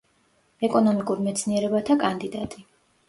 ეკონომიკურ მეცნიერებათა კანდიდატი.